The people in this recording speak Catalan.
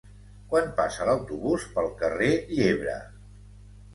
Quan passa l'autobús pel carrer Llebre?